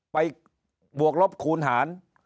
บวกลบคูณหาร